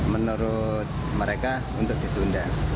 menurut mereka untuk ditunda